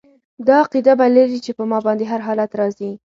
دا عقیده به لري چې په ما باندي هر حالت را ځي